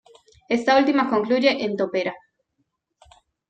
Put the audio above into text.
Esta última concluye en topera.